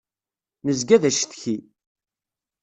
Nezga d acetki.